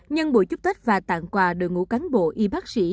nhân buổi chúc tết và tặng quà đội ngũ cán bộ y bác sĩ